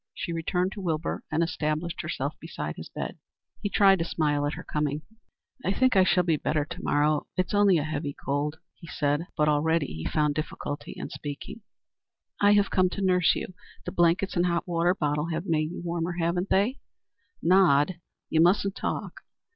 She returned to Wilbur and established herself beside his bed. He tried to smile at her coming. "I think I shall be better to morrow. It is only a heavy cold," he said, but already he found difficulty in speaking. "I have come to nurse you. The blankets and hot water bottle have made you warmer, haven't they? Nod; you mustn't talk."